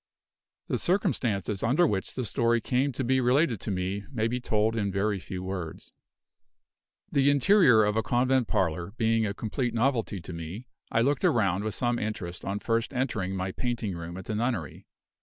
The circumstances under which the story came to be related to me may be told in very few words. The interior of a convent parlor being a complete novelty to me, I looked around with some interest on first entering my painting room at the nunnery.